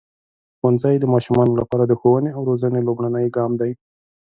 ښوونځی د ماشومانو لپاره د ښوونې او روزنې لومړنی ګام دی.